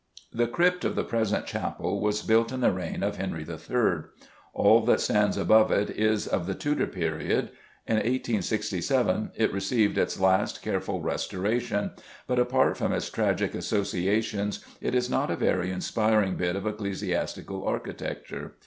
_ The crypt of the present chapel was built in the reign of Henry III.; all that stands above it is of the Tudor period. In 1867 it received its last careful restoration, but apart from its tragic associations it is not a very inspiring bit of ecclesiastical architecture.